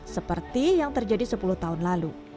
seperti yang terjadi sepuluh tahun lalu